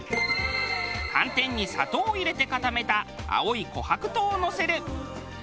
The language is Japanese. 寒天に砂糖を入れて固めた青い琥珀糖をのせる。